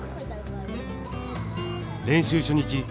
練習初日